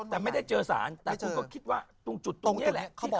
แต่ไม่ได้เจอศาลแต่คุณก็คิดตรงจุดตรงนี้แหละไม่เจอ